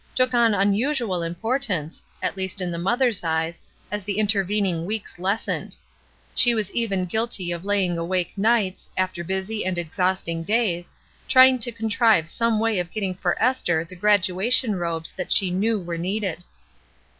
took on unusual importance, at least in the mother's eyes, as the intervening weeks lessened. She was even guilty of lying awake nights, after busy and ex hausting days, tr3dng to contrive some way of HOME 287 getting for Esther the graduation robes that she knew were needed.